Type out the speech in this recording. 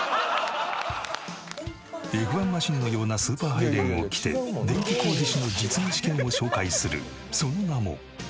Ｆ１マシンのようなスーパーハイレグを着て電気工事士の実技試験を紹介するその名も。